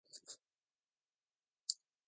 کیا کوئی ایک شخص دنیا میں کوئی بدلاؤ لا سکتا ہے